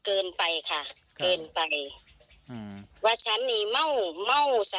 คือปกติแล้วมีหน้าทีเป็นบาค่ะ